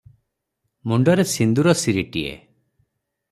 ମୁଣ୍ଡରେ ସିନ୍ଦୂର ସିରିଟିଏ